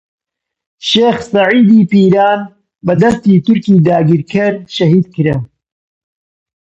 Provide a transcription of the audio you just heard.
شێخ سەعیدی پیران بە دەستی تورکی داگیرکەر شەهیدکرا.